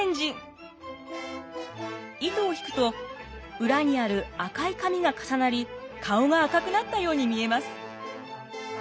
糸を引くと裏にある赤い紙が重なり顔が赤くなったように見えます。